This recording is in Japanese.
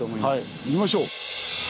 はい行きましょう！